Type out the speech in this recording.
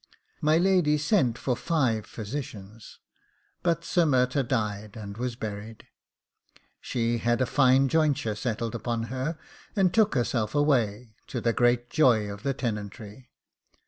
My lady sent for five physicians, but Sir Murtagh died, and was buried. She had a fine jointure settled upon her, and took herself away, to the great joy of the tenantry.